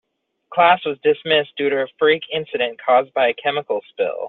Class was dismissed due to a freak incident caused by a chemical spill.